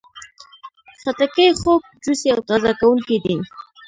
خټکی خوږ، جوسي او تازه کوونکی دی.